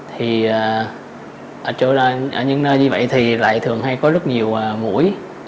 thì ở những nơi như vậy thì lại thường hay có rất nhiều mũi